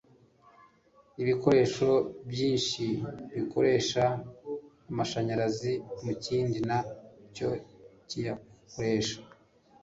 ibikoresho byinshi bikoresha amashanyarazi mu kindi na cyo kiyakoresha